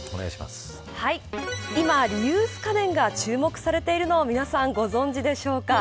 今、リユース家電が注目をされているのをご存じですか。